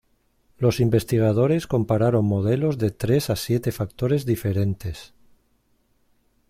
Los investigadores compararon modelos de tres a siete factores diferentes.